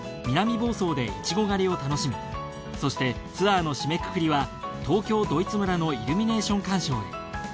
南房総でイチゴ狩りを楽しみそしてツアーの締めくくりは東京ドイツ村のイルミネーション鑑賞へ。